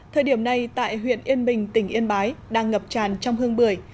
thời điểm này tại huyện yên bình tỉnh yên bái đang ngập tràn trong hương bưởi